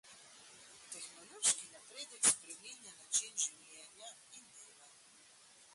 Tehnološki napredek spreminja način življenja in dela.